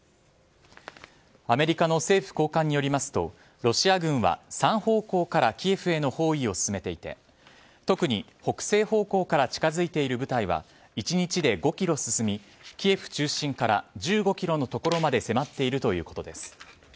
アメリカの政府高官によりますとロシア軍は３方向からキエフへの包囲を進めていて特に北西方向から近づいている部隊は１日で５ｋｍ進みキエフ中心から１５ｋｍのところまで迫っているということです。